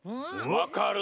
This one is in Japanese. わかる。